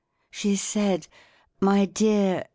She said, "My dear.